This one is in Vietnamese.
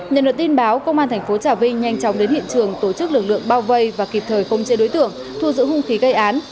nhận được tin báo công an thành phố trà vinh nhanh chóng đến hiện trường tổ chức lực lượng bao vây và kịp thời không chế đối tượng thu giữ hung khí gây án